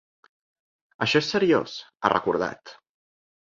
Això és seriós, ha recordat.